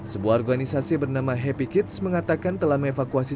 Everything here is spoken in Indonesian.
sebuah organisasi bernama happy kids mengatakan telah mengevakuasi